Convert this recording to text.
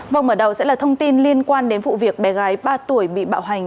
vâng mở đầu sẽ là thông tin liên quan đến vụ việc bé gái ba tuổi bị bạo hành